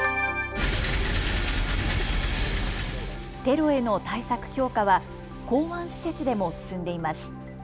テロへの対策強化は港湾施設でも進んでいます。